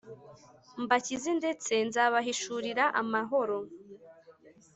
mbakize ndetse nzabahishurira amahoro